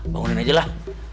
bangunin aja lah